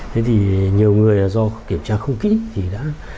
thế thì nhiều người do kiểm tra không kỹ thì đã